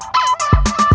kau mau kemana